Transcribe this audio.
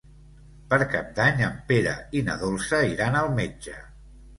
Per Cap d'Any en Pere i na Dolça iran al metge.